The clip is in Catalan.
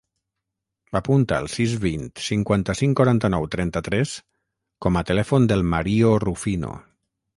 Apunta el sis, vint, cinquanta-cinc, quaranta-nou, trenta-tres com a telèfon del Mario Rufino.